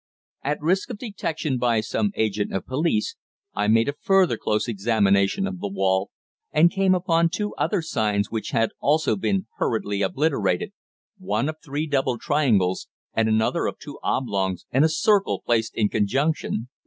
At risk of detection by some agent of police, I made a further close examination of the wall, and came upon two other signs which had also been hurriedly obliterated one of three double triangles, and another of two oblongs and a circle placed in conjunction.